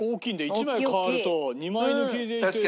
１枚変わると２枚抜きでいって。